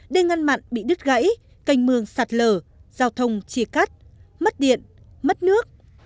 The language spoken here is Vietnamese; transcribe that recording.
đê ngăn mặn bị đứt gãy cành mương sạt lở giao thông chia cắt mất điện mất nước